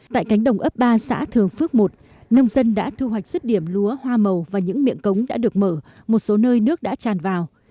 tại cánh đồng ấp ba xã thường phước một nông dân đã thu hoạch rứt điểm lúa hoa màu và những miệng cống đã được mở một số nơi nước đã tràn vào